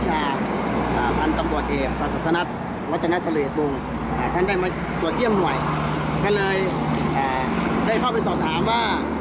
จากเหตุแกที่เกิดขึ้นเดี๋ยวน้องเขามายังไงพี่อ่า